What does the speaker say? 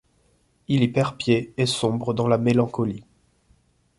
Il y perd pied et sombre dans la mélancolie.